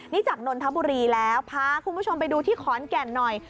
นี่จากนนทบุรีแล้วพาคุณผู้ชมไปดูที่ขอนแก่นหน่อย